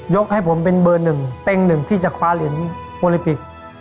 ยกให้ผมเป็นเบอร์๑แต่ง๑ที่จะคว้าเหรียญโอลิปิก